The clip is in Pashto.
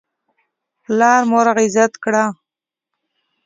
پلار مور عزت کړه.